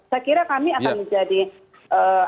saya kira kami akan menjadi apa akan konsen juga